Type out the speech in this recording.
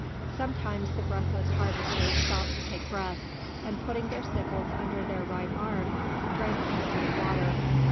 Sometimes the breathless harvesters stopped to take breath, and putting their sickles under their right arm drank a draught of water.